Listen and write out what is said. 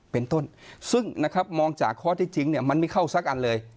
เป็นต้นซึ่งมองจากข้อที่จริงมันไม่เข้าสักอันเลย